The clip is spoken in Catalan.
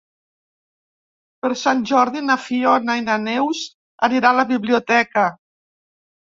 Per Sant Jordi na Fiona i na Neus aniran a la biblioteca.